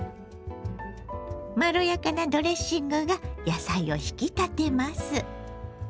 まろやかなドレッシングが野菜を引き立てます。